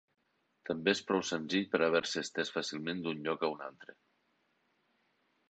També és prou senzill per haver-se estès fàcilment d'un lloc a un altre.